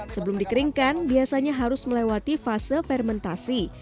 sebelum dikeringkan biasanya harus melewati fase fermentasi